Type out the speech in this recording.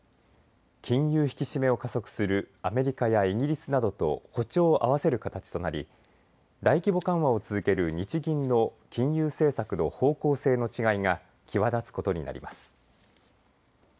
金融を引き締めを加速するアメリカやイギリスなどと歩調を合わせる形となり大規模緩和を続ける日銀の金融政策の方向性の違いが際立つことになります。